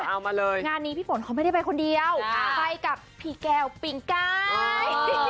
เอามาเลยงานนี้พี่ฝนเขาไม่ได้ไปคนเดียวไปกับผีแก้วปิงกาย